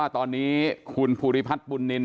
ตอนนี้คุณภูริพัฒน์บุญนิน